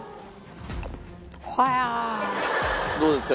どうですか？